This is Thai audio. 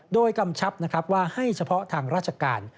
โดยกำชับว่าให้เฉพาะทางราชการ